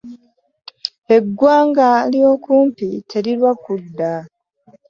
Eggwanga ly'okumpi terirwa kudda .